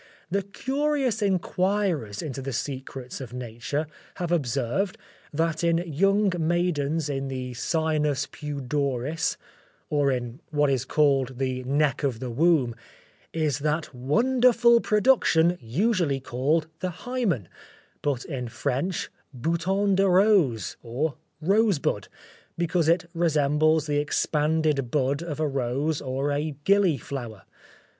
The curious inquirers into the secrets of Nature, have observed, that in young maidens in the sinus pudoris, or in what is called the neck of the womb, is that wonderful production usually called the hymen, but in French bouton de rose, or rosebud, because it resembles the expanded bud of a rose or a gilly flower.